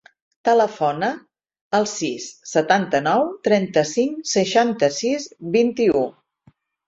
Telefona al sis, setanta-nou, trenta-cinc, seixanta-sis, vint-i-u.